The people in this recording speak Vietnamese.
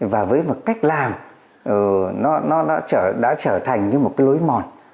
và với một cách làm nó đã trở thành như một cái lối mòn